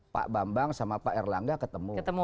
pak bambang sama pak erlangga ketemu